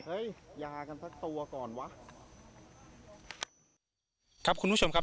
ยากันสักตัวก่อนวะครับคุณผู้ชมครับ